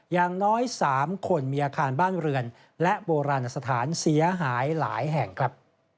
อย่างน้อย๓คนมีอาคารบ้านเรือนและโบราณสถานเสียหายหลายแห่งครับ